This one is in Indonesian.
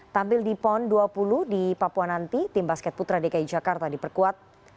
tampil di pon dua puluh di papua nanti tim basket putra dki jakarta diperkuat